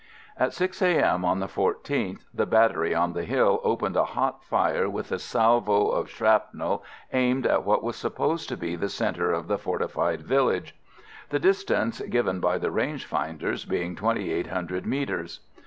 At 6 A.M. on the 14th the battery on the hill opened a hot fire with a salvo of shrapnel aimed at what was supposed to be the centre of the fortified village; the distance given by the range finders being 2800 mètres.